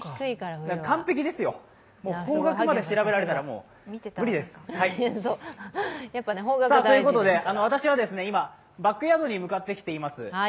完璧ですよ、方角まで調べられたら無理です。ということで、私は今、バックヤードに向かってきています。